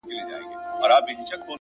ه بيا دي په سرو سترگو کي زما ياري ده ـ